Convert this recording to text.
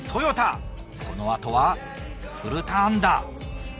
このあとはフルターンだ。